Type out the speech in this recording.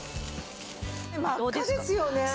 真っ赤ですよね。